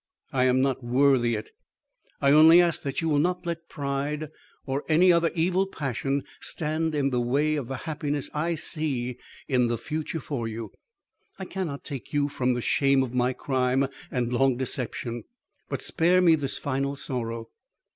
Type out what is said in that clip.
I am not worthy it. I only ask that you will not let pride or any other evil passion stand in the way of the happiness I see in the future for you. I cannot take from you the shame of my crime and long deception, but spare me this final sorrow!